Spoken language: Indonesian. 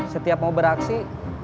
setiap mau beraksi